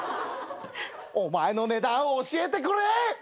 お前の値段を教えてくれ！